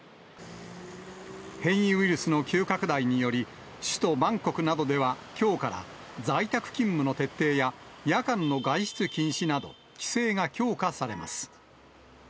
変異ウイルスの急拡大により、首都バンコクなどでは、きょうから在宅勤務の徹底や夜間の外出禁止など、規制が強化されます。